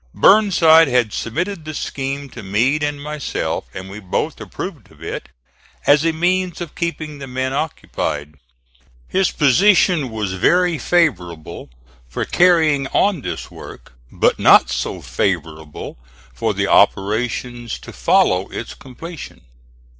Burnside had submitted the scheme to Meade and myself, and we both approved of it, as a means of keeping the men occupied. His position was very favorable for carrying on this work, but not so favorable for the operations to follow its completion.